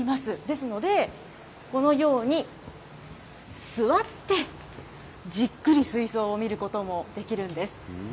ですので、このように、座ってじっくり水槽を見ることもできるんです。